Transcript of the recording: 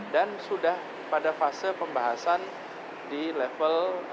dan sudah pada fase pembahasan di level